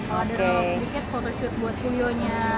kalau ada sedikit photoshoot buat puyonya